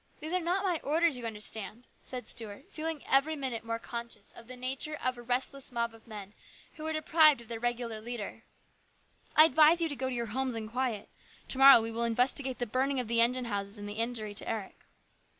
" These are not my orders, you understand," said Stuart, feeling every minute more conscious of the nature of a restless mob of men who were deprived of their regular leader. " I advise you to go to your homes in quiet. To morrow we will investigate the burning of the engine house and the injury to Eric."